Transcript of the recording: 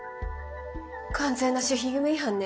完全な守秘義務違反ね。